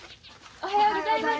おはようございます。